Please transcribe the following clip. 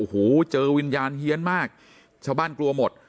โอ้โหเจอวิญญาณเฮียนมากชาวบ้านกลัวหมด